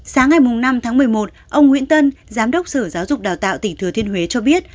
sáng ngày năm tháng một mươi một ông nguyễn tân giám đốc sở giáo dục đào tạo tỉnh thừa thiên huế cho biết